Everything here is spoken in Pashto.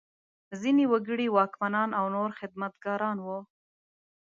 ځینې وګړي واکمنان او نور خدمتګاران وو.